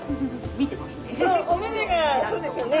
見てますね。